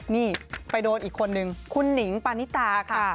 นี่ไปโดนอีกคนนึงคุณหนิงปานิตาค่ะ